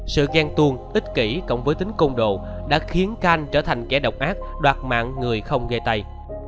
sự ghen tuôn ích kỷ cộng với tính công đồ đã khiến khanh trở thành kẻ độc ác đoạt mạng người không ghê tay